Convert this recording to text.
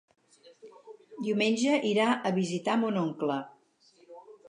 Diumenge irà a visitar mon oncle.